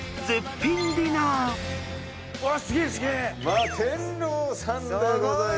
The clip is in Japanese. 「摩天楼」さんでございます。